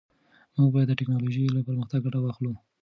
موږ باید د ټیکنالوژۍ له پرمختګ ګټه واخلو.